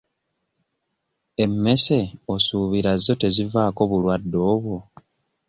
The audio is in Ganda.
Emmese osuubira zo tezivaako bulwadde obwo?